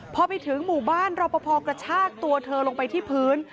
พอไปถึงหมู่บ้านรอปภกระชากตัวเธอลงไปที่พื้น